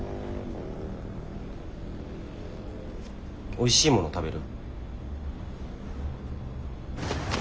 おいしいもの食べる？